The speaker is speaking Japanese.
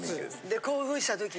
で興奮した時？